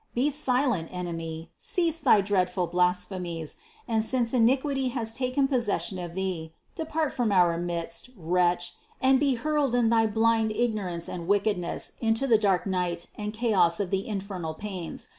Be silent, enemy, cease thy dreadful blasphemies, and since iniquity has taken possession of thee, depart from our midst, wretch, and be hurled in thy blind ignorance and wickedness into the dark night and chaos of the infernal pains.